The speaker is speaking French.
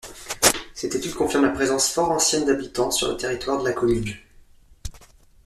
Cette étude confirme la présence fort ancienne d'habitants sur le territoire de la commune.